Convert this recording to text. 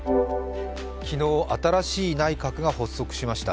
昨日、新しい内閣が発足しました。